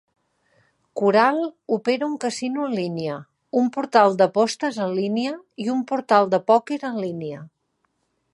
Coral opera un casino en línia, un portal d"apostes en línia i un portal de pòquer en línia.